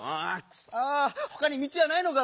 あほかにみちはないのか？